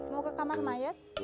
mau ke kamar mayat